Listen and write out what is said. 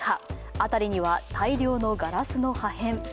辺りには大量のガラスの破片。